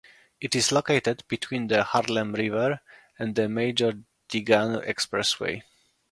It is located between the Harlem River and the Major Deegan Expressway.